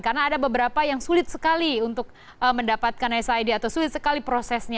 karena ada beberapa yang sulit sekali untuk mendapatkan sid atau sulit sekali prosesnya